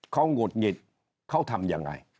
เขาหงุดหงิดเขาทำยังไง